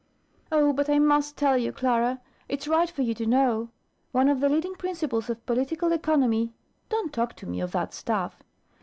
"Oh, but I must tell you, Clara: it's right for you to know; one of the leading principles of political economy " "Don't talk to me of that stuff."